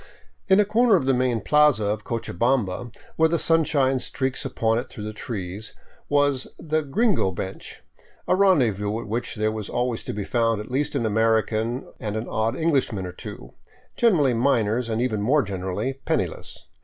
In a corner of the main plaza of Cochabamba, where the sunshine streaks upon it through the trees, was the "gringo bench," a rendez vous at which there was always to be found at least an American and an odd Englishman or two, generally miners and even more generally penniless.